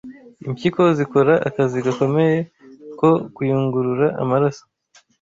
Impyiko zikora akazi gakomeye ko kuyungurura amaraso